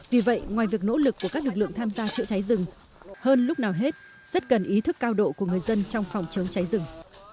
vì vậy ngoài việc nỗ lực của các lực lượng tham gia chữa cháy rừng hơn lúc nào hết rất cần ý thức cao độ của người dân trong phòng chống cháy rừng